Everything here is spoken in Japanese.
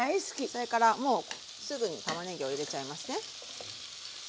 それからもうすぐにたまねぎを入れちゃいますね。